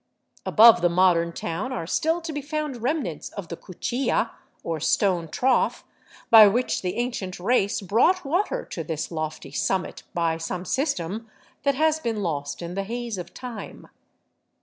Above the modern town are still to be found remnants of the cuchilla, or stone trough by which the ancient race brought water to this lofty summit by some system that has been lost in the haze of time.